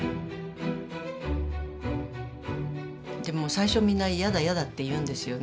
最初みんなやだやだって言うんですよね。